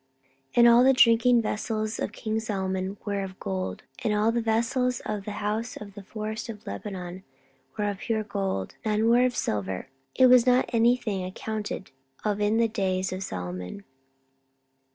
14:009:020 And all the drinking vessels of king Solomon were of gold, and all the vessels of the house of the forest of Lebanon were of pure gold: none were of silver; it was not any thing accounted of in the days of Solomon.